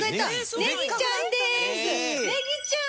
ねぎちゃん！